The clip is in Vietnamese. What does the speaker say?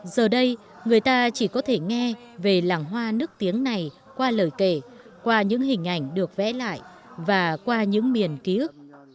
giờ đây người ta chỉ có thể nghe về làng hoa nức tiếng này qua lời kể qua những hình ảnh được vẽ lại và qua những miền ký ức